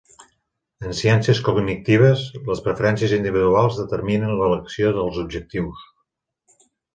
En ciències cognitives, les preferències individuals determinen l'elecció dels objectius.